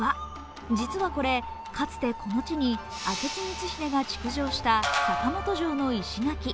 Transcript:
実はこれ、かつて、この地に明智光秀が築城した坂本城の石垣。